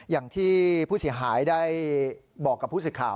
อย่างที่ผู้สิทธิ์หายได้บอกกับผู้สิทธิ์ข่าว